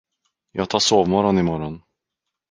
Jag tar sovmorgon i morgon.